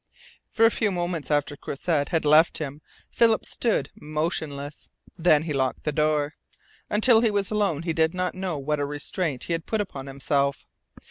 For a few moments after Croisset had left him Philip stood motionless. Then he locked the door. Until he was alone he did not know what a restraint he had put upon himself.